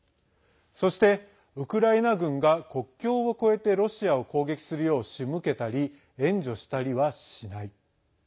そして、ウクライナ軍が国境を越えてロシアを攻撃するよう仕向けたり援助したりはしない。